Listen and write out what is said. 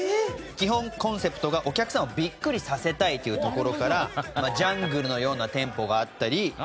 基本コンセプトがお客さんをビックリさせたいというところからジャングルのような店舗があったり。